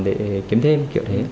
thì kiếm thêm kiểu thế